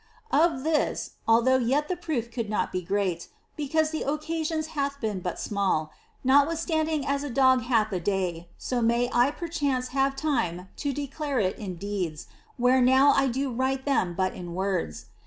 Of this, although yet the proof could not be great, because the occasions hath been but »mall, notwithstanding as a dog hath a day, so may I percliance have time to declare it in dee<Is, where now I do write them but in words.